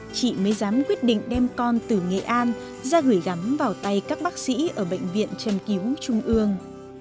chị mới dám quyết định đem con từ nghệ an ra gửi gắm vào tay các bác sĩ ở bệnh viện trần cứu trung ương